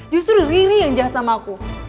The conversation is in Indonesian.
justru riri yang jahat sama aku